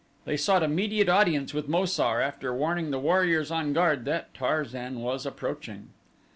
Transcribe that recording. They sought immediate audience with Mo sar, after warning the warriors on guard that Tarzan was approaching.